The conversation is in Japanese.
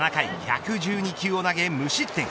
７回１１２球を投げ無失点。